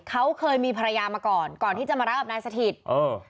เขาเคยมีภรรยามาก่อนก่อนที่จะมารับกับนายสถิตเออ